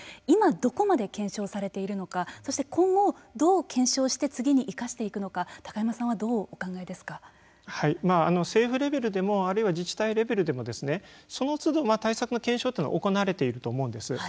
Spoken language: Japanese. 今どこまで検証されているのかそして今後どう検証して次に生かしていくのか政府レベルでもあるいは自治体レベルでもそのつど対策の検証というのは行われていると思うんです。